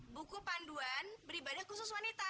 buku panduan beribadah khusus wanita